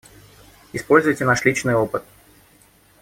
Используйте наш личный опыт.